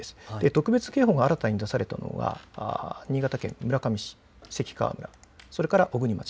特別警報が新たに出されたのが新潟県村上市、関川村それから小国町